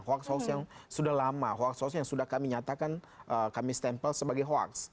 hoax hoax yang sudah lama hoax hoax yang sudah kami nyatakan kami stempel sebagai hoax